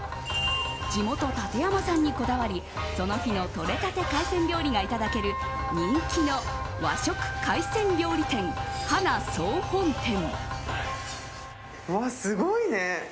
地元・館山産にこだわりその日のとれたて海鮮料理がいただける人気の和食海鮮料理店波奈総本店。